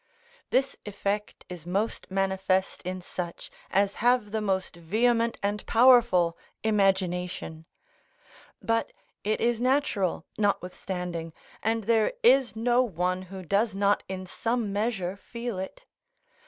This effect is most manifest in such as have the most vehement and powerful imagination: but it is natural, notwithstanding, and there is no one who does not in some measure feel it.